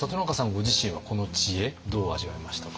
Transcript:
ご自身はこの知恵どう味わいましたか？